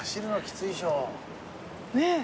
ねえ。